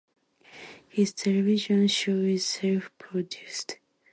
His television show is self-produced.